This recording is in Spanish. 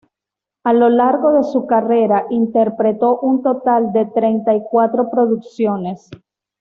A lo largo de su carrera interpretó un total de treinta y cuatro producciones.